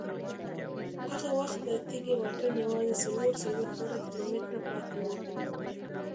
هغه وخت د تېږې واټن یوازې څلور څلوېښت زره کیلومتره پاتې و.